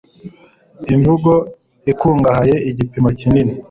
imvugo ikungahaye, igipimo kinini